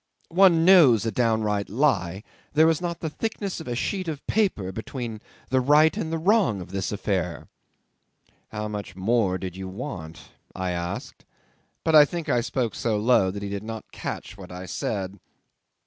... One knows a downright lie. There was not the thickness of a sheet of paper between the right and the wrong of this affair." '"How much more did you want?" I asked; but I think I spoke so low that he did not catch what I said.